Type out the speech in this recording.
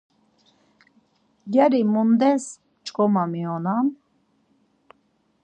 Gyari mundes p̆ç̆k̆omaminonan?